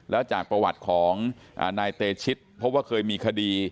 แล้วจากประวัติของนายเตชิตพบว่าเคยมีคดี